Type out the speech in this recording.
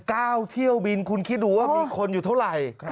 เที่ยวบินคุณคิดดูว่ามีคนอยู่เท่าไหร่